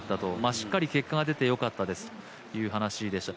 しっかり結果が出てよかったですという話でした。